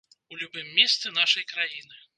У любым месцы нашай краіны.